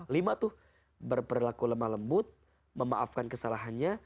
lima tuh berperilaku lemah lembut memaafkan kesalahannya